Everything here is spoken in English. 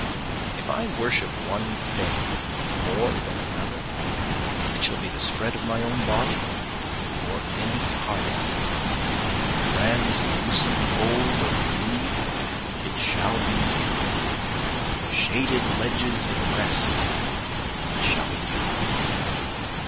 If I worship one thing more than another it shall be the spread of my own body, or any part of it, Translucent mould of me it shall be you! Shaded ledges and rests it shall be you!